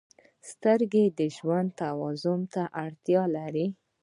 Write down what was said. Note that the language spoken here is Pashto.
• سترګې د ژوند توازن ته اړتیا لري.